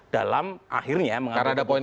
dalam akhirnya mengatur keputusan